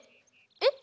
えっ。